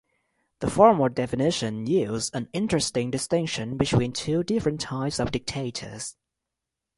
The formal definition yields an interesting distinction between two different types of dictators.